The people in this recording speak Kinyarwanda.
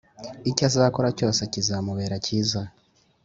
Icyo azakora cyose kizamubera cyiza.